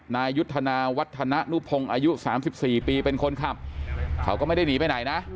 นายยุทธนาวัฒนุพงศ์อายุ๓๔ปีเป็นคนขับเขาก็ไม่ได้หนีไปไหนนะ